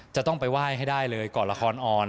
จะต้องไปไหว้ให้ได้เลยก่อนละครออน